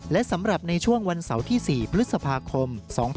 และสำหรับในช่วงวันเสาร์ที่๔พฤษภาคม๒๕๖๒